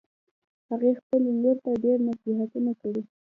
هغې خپلې لور ته ډېر نصیحتونه کړي